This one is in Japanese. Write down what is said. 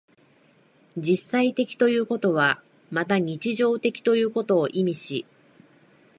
実際的ということはまた日常的ということを意味し、